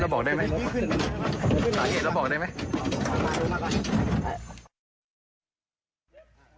สาเหตุเราบอกได้ไหม